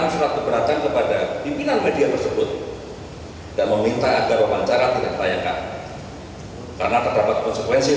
sma telah menyampaikan surat keberatan kepada pimpinan media tersebut